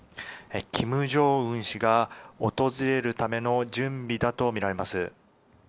金正恩氏が訪れるための準備だとみられます。